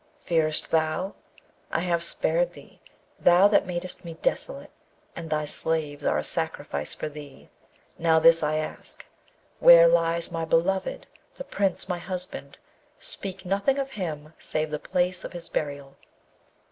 Fearest thou? I have spared thee, thou that madest me desolate! and thy slaves are a sacrifice for thee. Now this I ask: Where lies my beloved, the Prince my husband? Speak nothing of him, save the place of his burial!'